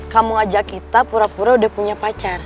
kamu ajak kita pura pura udah punya pacar